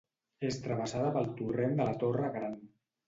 És travessada pel Torrent de la Torre Gran.